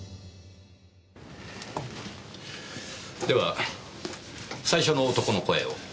では最初の男の声を。